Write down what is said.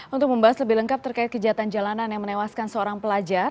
untuk membahas lebih lengkap terkait kejahatan jalanan yang menewaskan seorang pelajar